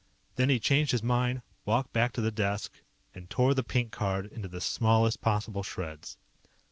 Then he changed his mind, walked back to the desk, and tore the pink card into the smallest possible shreds.